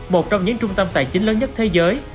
một trong những trung tâm tài chính lớn nhất thế giới